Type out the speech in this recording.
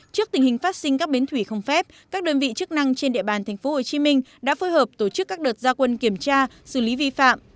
trước tình hình phát sinh các bến thủy không phép các đơn vị chức năng trên địa bàn tp hcm đã phối hợp tổ chức các đợt gia quân kiểm tra xử lý vi phạm